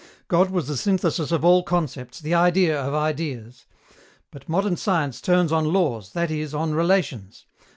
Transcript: God was the synthesis of all concepts, the idea of ideas. But modern science turns on laws, that is, on relations.